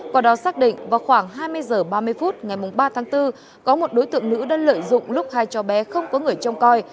quả đó xác định vào khoảng hai mươi h ba mươi phút ngày ba tháng bốn có một đối tượng nữ đã lợi dụng lúc hai trò bé không có người trông coi